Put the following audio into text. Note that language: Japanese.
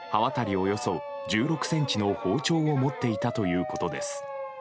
およそ１６ｃｍの包丁を持っていたということです。